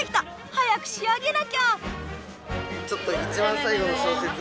早く仕上げなきゃ！